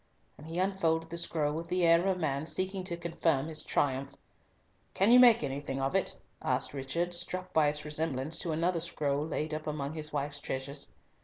and he unfolded the scroll with the air of a man seeking to confirm his triumph. "Can you make anything of it?" asked Richard, struck by its resemblance to another scroll laid up among his wife's treasures.